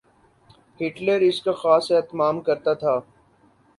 Hitler اس کا خاص اہتمام کرتا تھا۔